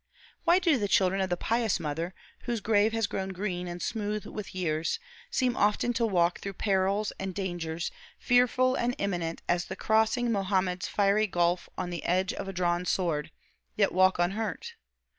Why do the children of the pious mother, whose grave has grown green and smooth with years, seem often to walk through perils and dangers fearful and imminent as the crossing Mohammed's fiery gulf on the edge of a drawn sword, yet walk unhurt?